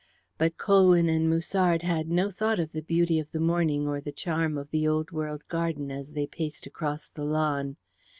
But Colwyn and Musard had no thought of the beauty of the morning or the charm of the old world garden as they paced across the lawn.